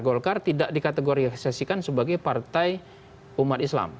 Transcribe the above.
golkar tidak dikategorisasikan sebagai partai umat islam